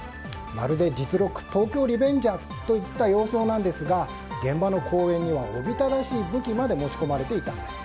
まるで実録「東京リベンジャーズ」といった様相なんですが現場の公園にはおびただしい武器まで持ち込まれていたんです。